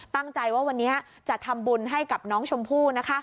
ตั้งใจว่าวันนี้จะทำบุญให้กับน้องชมพู่